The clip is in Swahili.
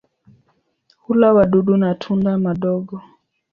Hula wadudu na tunda madogo.